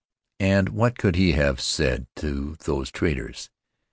And what could he have said to those traders?